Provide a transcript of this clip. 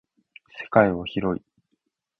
世界は広い。